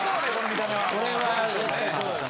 これは絶対そうやな。